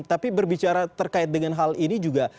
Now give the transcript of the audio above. tapi berbicara terkait dengan hal ini juga